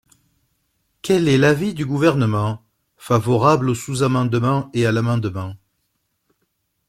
Quel est l’avis du Gouvernement ? Favorable au sous-amendement et à l’amendement.